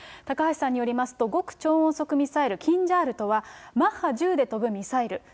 高橋さんによりますと、極超音速ミサイル、キンジャールとは、マッハ１０で飛ぶミサイル。